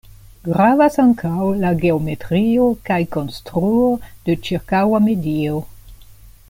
Gravas ankaŭ la geometrio kaj konstruo de ĉirkaŭa medio.